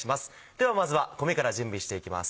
ではまずは米から準備していきます。